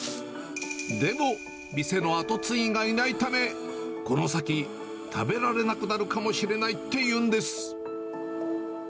でも店の後継ぎがいないため、この先、食べられなくなるかもしれないっていうんです。